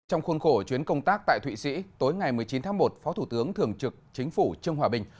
trong khuôn khổ chuyến công tác tại thụy sĩ tối ngày một mươi chín tháng một phó thủ tướng thường trực chính phủ trương hòa bình